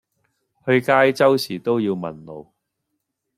去街周時都要問路